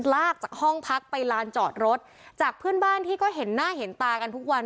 ลากจากห้องพักไปลานจอดรถจากเพื่อนบ้านที่ก็เห็นหน้าเห็นตากันทุกวัน